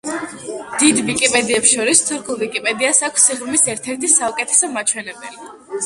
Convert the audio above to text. დიდ ვიკიპედიებს შორის თურქულ ვიკიპედიას აქვს სიღრმის ერთ-ერთი საუკეთესო მაჩვენებელი.